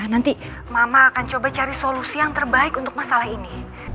nanti mama akan coba cari solusi yang terbaik untuk masalah ini